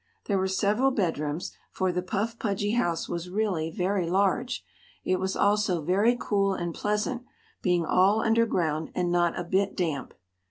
There were several bedrooms, for the Puff Pudgy house was really very large. It was also very cool and pleasant, being all underground and not a bit damp.